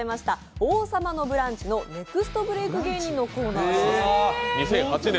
「王様のブランチ」の「ＮＥＸＴブレイク芸人」のコーナーです。